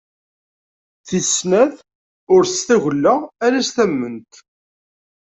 Tis snat: ur tett tagella ala s tamment.